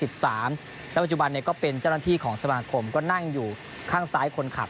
แล้วปัจจุบันก็เป็นเจ้าหน้าที่ของสมาคมก็นั่งอยู่ข้างซ้ายคนขับ